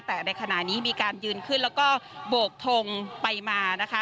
แต่ในขณะนี้มีการยืนขึ้นแล้วก็โบกทงไปมานะคะ